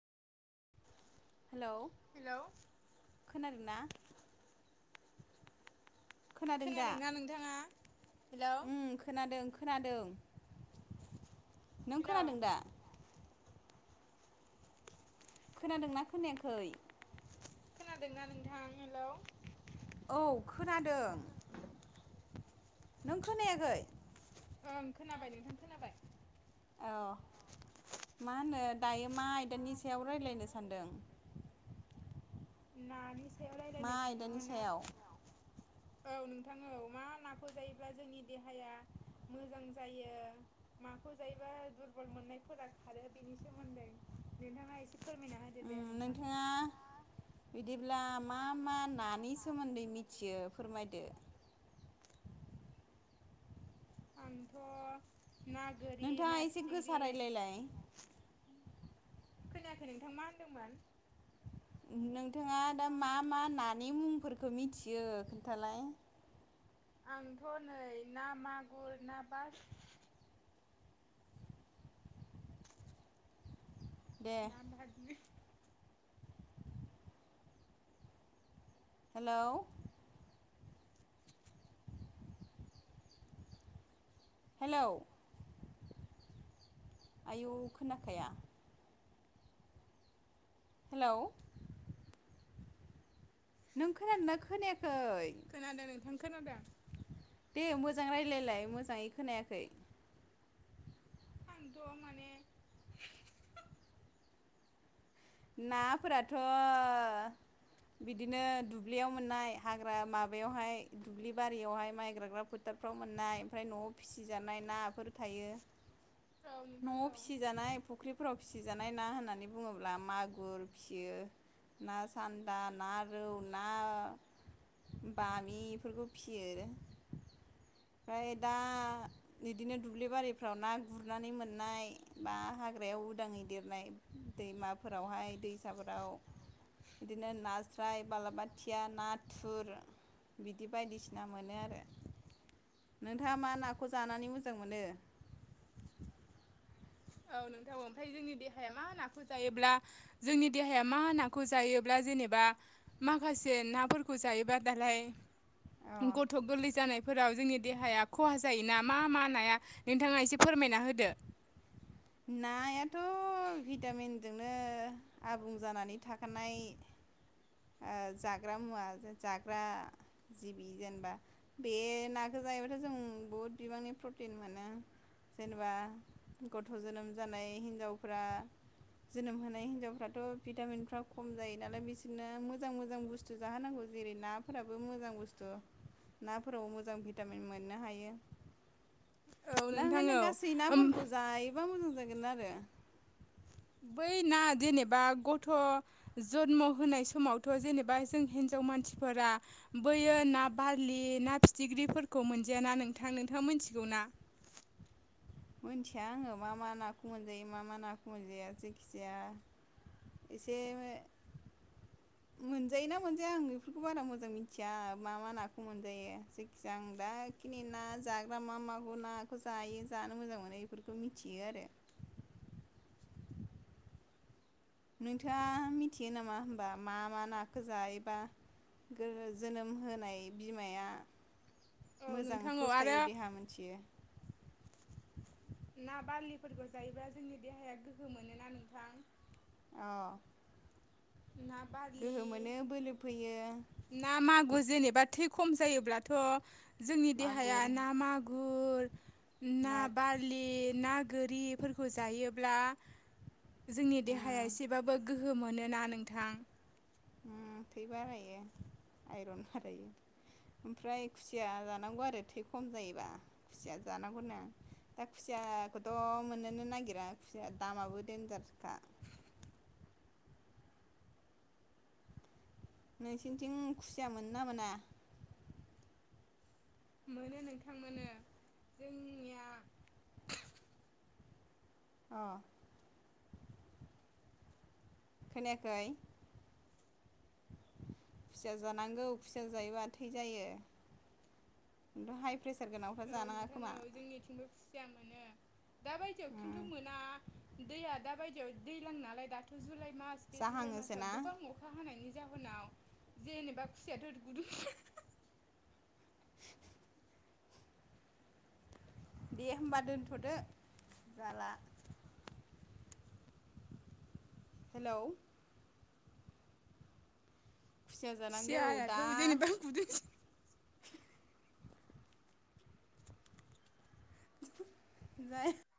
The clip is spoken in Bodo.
हेल' हेलौ खोनादों ना? खोनादोंना नोंथाङा? हेलौ ओम खोनादों खोनादों। नों हेलौ खोनादों दा? खोनादोंना खोनायाखै? खोनादोंना नोंथां हेल'? औ खोनादों। नों खोनायाखै? ओं खोनाबाय नोंथां खोनाबाय। औ। मा होनो दायो मा आयदानि सायाव रायलायनो सानदों? नानि सायाव मा रायज्लायनो आयदानि सानदोंमोन सायाव [unintelligible] औ नोंथां औ मा नाखौ जायोब्ला जोंनि देहाया मोजां जायो, माखौ जायोबा दुरबल मोननायफोरा खारो बेनि सोमोन्दै। नोंथाङा एसे फोरमायना होदो दे ओम नोंथां नोंथाङा बिदिब्ला मा मा नानि सोमोन्दै मिथियो फोरमायदो? आंथ' ना गोरि, नोंथाङा ना एसे गोसा फिथिख्रि रायलायलाय खोनायाखै नोंथाङा मा होनदोंमोन? नोंथाङा दा मा मा नानि मुंफोरखौ मिथियो खोन्थालाय। आंथ' नै ना मागुर, ना बार दे ना बारलि हेल'? हेल'? आयु खोनाखाया। हेल'? नों खोनादोंना खोनायाखै? खोनादों नोंथां खोनादों। दे मोजां रायलायलाय मोजाङै खोनायाखै। आंथ' माने नाफोराथ' बिदिनो दुब्लियाव मोननाय हाग्रा माबायावहाय दुब्लि बारियावहाय माइ गाइग्रा फोथार नफ्राव मोननाय ओमफ्राय न'आव फिसिजानाय नाफोर थायो। औ नोंथां न'आव औ फिसिजानाय फुख्रिफोराव फिसिजानाय ना होननानै बुङोब्ला मागुर फिसियो ना सान्दा, ना रौ, ना बामि बेफोरखौ फियो। ओमफ्राय दा बिदिनो दुब्लि बारिफ्राव ना गुरनानै मोननाय बा हाग्रायाव उदाङै देरनाय दैमाफोरावहाय दैसाफोराव बिदिनो नास्राय, बालाबाथिया, नाथुर बिदि बायदिसिना मोनो आरो। नोंथाङा मा नाखौ जानानै मोजां मोनो? औ नोंथां ओमफ्राय जोंनि देहाया मा नाखौ जायोब्ला जोंनि देहाया मा नाखौ जायोब्ला जेनेबा माखासे नाफोरखौ जायोबा दालाय अ गथ' गोरलै जानाय फोराव जोंनि देहाया खहा जायोना, मा मा नाया, नोंथाङा एसे फोरमायना होदो। नायाथ' भिटामिनजोंनो आबुं जानानै थाखानाय ओ जाग्रा मुवा, जाग्रा जिबि जेनेबा, बे ना जायोबाथ' जों बहुद बिबांनि प्रटिन मोनो, जेनेबा गथ' जोनोम जानाय हिनजावफ्रा जोनोम होनाय हिनजावफ्राथ' भिटामिनफ्रा खम जायो नालाय बिसोरनो मोजां मोजां बुस्थु जाहोनांगौ जेरै नाफोराबो मोजां बुस्थु। नाफोराव मोजां भिटामिन मोननो हायो। औ दा नोंथां ओंखायनो औ गासै ओम नाफोरखौ जायोबा मोजां जागोन आरो। बै ना जेनेबा गथ' जन्म होनाय समावथ' जेनेबा जों हिन मानसिफोरा बोयो ना बारलि ना फिथिख्रिफोरखौ मोनजाया ना नोंथां नोंथां मोन मिथिगौ ना? [inaudible] मोनथिया आङो मा मा नाखौ मोनजायो मा मा नाखौ मोनजाया जायखिजाया एसे मोनजायोना मोनजाया आं बेफोरखौ बारा मोजां मिथिया मा मा नाखौ मोनजायो जायखिजाया आं दा खिनि ना जाग्रा मा मागौ नाखौ जायो जानो मोजां मोनो बेफोरखौ मिथियो आरो। [inaudible] नोंथाङा मिथियो नामा होमबा मा मा नाखौ जायोबा गो गो जोनोम होनाय बिमाया औ मोजां नोंथां औ आरो फुस्थायु देहा मोनथियो। ना बारलिफोरखौ जायोब्ला जोंनि देहाया गोहो मोनोना नोंथां। औ ना बारलि बोलो फैयो ना मागु जेनेबा थै खम जायोब्लाथ' जोंनि देहाया मागुर ना मागुर ना बारलि ना गोरिफोरखौ जायोब्ला जोंनि देहाया उम एसेबाबो गोहो मोनोना नोंथां। उम थै बारायो आइरन बारायो। ओमफ्राय खुसिया जानांगौ आरो थै खम जायोबा खुसिया जानांगौ नो। दा खुसियाखौथ' मोननोनो नागिरा खुसिया दामाबो देनजारखा। [inaudible] नोंसिनिथिं खुसिया मोनो ना मोना? मोनो नोंथां मोनो जोंनिया अ खोनायाखै? खुसिया जानांगौ खुसिया जायोबा थै जायो। दहाय औ नोंथां औ जोंनिथिंबो खुसिया दा बायदियाव उम खिन्थु मोना दैया दा बायदियाव दैज्लां नालाय दाथ' जुलाइ मास बे जुलाइ जाहाङोसो मासाव ना गोबां अखा हानायनि जाहोनाव जेनेबा खुसियाथ' गुदुं दे होमबा दोनथ'दो जाला। हेल्ल' खुसिया जानांगौ दा खुसियाआथ' जेनिबां गुदुं जाया